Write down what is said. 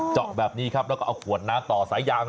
เจาะแบบนี้ครับแล้วก็เอาขวดน้ำต่อสายยาง